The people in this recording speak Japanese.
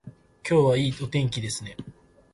今日はいいお天気ですね